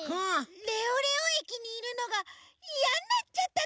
レオレオ駅にいるのがいやになっちゃったとか？